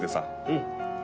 うん。